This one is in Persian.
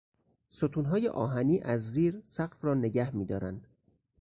ستونهای آهنی از زیر سقف را نگه میدارند.